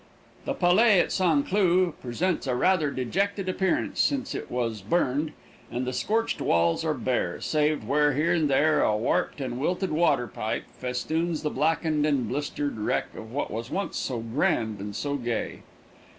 The palais at San Cloo presents a rather dejected appearance since it was burned, and the scorched walls are bare, save where here and there a warped and wilted water pipe festoons the blackened and blistered wreck of what was once so grand and so gay.